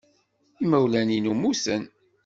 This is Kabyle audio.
Imawlan-inu mmuten.